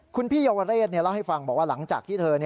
คุณพี่เยาวเรศเล่าให้ฟังบอกว่าหลังจากที่เธอ